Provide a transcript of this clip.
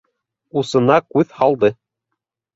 Усына күҙ һалды.